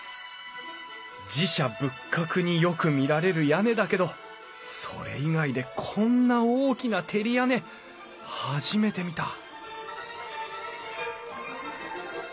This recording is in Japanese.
寺社仏閣によく見られる屋根だけどそれ以外でこんな大きな照り屋根初めて見た！